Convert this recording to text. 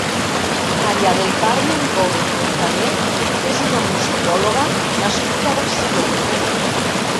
María del Carmen Gómez Muntané és una musicòloga nascuda a Barcelona.